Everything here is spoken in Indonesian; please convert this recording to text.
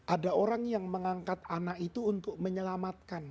ada orang yang mengangkat anak itu untuk menyelamatkan